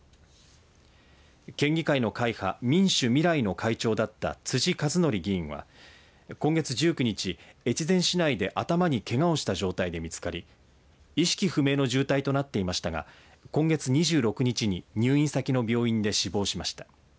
県議会の会派民主・みらいの会長だった辻一憲議員は今月１９日、越前市内で頭にけがをした状態で見つかり意識不明の重体となっていましたが今月２６日に入院先の病院で死亡しました。